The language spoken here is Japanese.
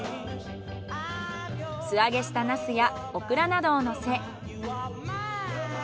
素揚げしたナスやオクラなどをのせ。